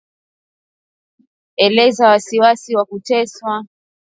alielezea wasiwasi wake kuhusu kuteswa kwa wafungwa nchini Uganda na